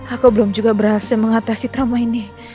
aku belum juga berhasil mengatasi trauma ini